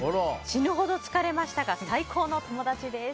死ぬほど疲れましたが最高の友達です。